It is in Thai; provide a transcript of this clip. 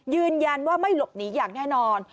ยืนยันว่าไม่หลบหนีอย่างแน่นอน